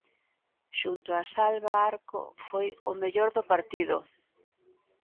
Xunto a Salva Arco, foi o mellor do partido.